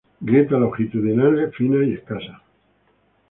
Grietas longitudinales finas y escasas.